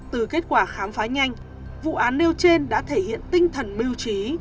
từ kết quả khám phá nhanh vụ án nêu trên đã thể hiện tinh thần biêu trí